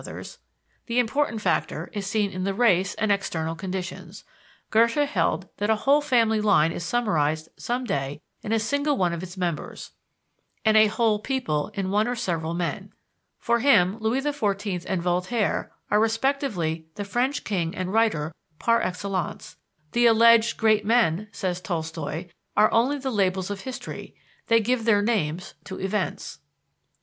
_), the important factor is seen in the race and external conditions. Goethe held that a whole family line is summarized some day in a single one of its members, and a whole people in one or several men. For him, Louis XIV and Voltaire are respectively the French king and writer par excellence. "The alleged great men," says Tolstoi, "are only the labels of history, they give their names to events."